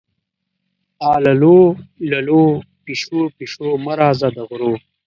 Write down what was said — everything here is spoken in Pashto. اللو للو، پیشو-پیشو مه راځه د غرو